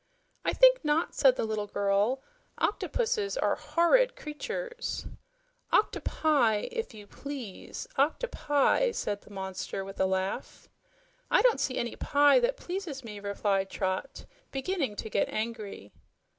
"I think not," said the little girl. "Octopuses are horrid creatures." "OctoPI, if you please; octoPI," said the monster with a laugh. "I don't see any pie that pleases me," replied Trot, beginning to get angry.